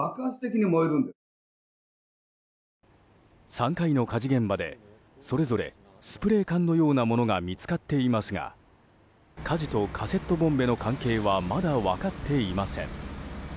３回の火事現場で、それぞれスプレー缶のようなものが見つかっていますが火事とカセットボンベの関係はまだ分かっていません。